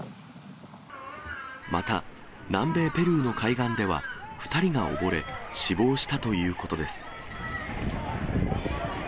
また、南米ペルーの海岸では２人が溺れ、死亡したということです。